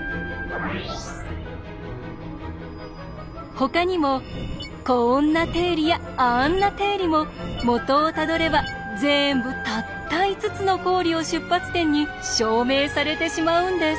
ほかにもこんな定理やあんな定理も元をたどれば全部たった５つの公理を出発点に証明されてしまうんです。